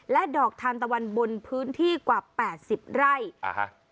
ดอกทานตะวันบนพื้นที่กว่าแปดสิบไร่อ่าฮะ